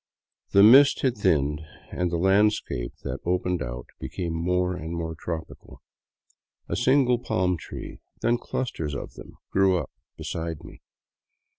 The mist had thinned and the landscape that opened out became more and more tropical. A single palm tree, then clusters of them, grew up beside me.